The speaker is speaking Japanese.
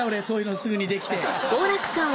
そういうのすぐにできて。